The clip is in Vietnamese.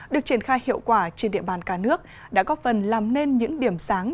được triển khai hiệu quả trên địa bàn cả nước đã góp phần làm nên những điểm sáng